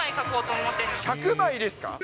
１００枚ですか？